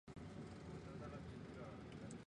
老城厢南市等区域也有部分苏北移民迁入。